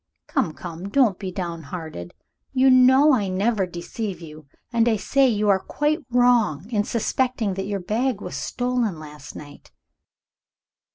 Come! come! don't be down hearted. You know I never deceive you and I say you are quite wrong in suspecting that your bag was stolen last night."